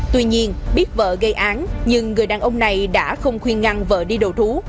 tuy nhiên biết vợ gây án nhưng người đàn ông này đã không khuyên ngăn vợ đi đầu thú